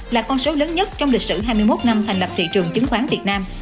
là con số lớn nhất trong lịch sử hai mươi một năm thành lập thị trường chứng khoán việt nam